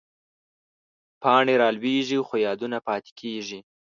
پاڼې رالوېږي، خو یادونه پاتې کېږي